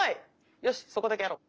よしそこだけやろう。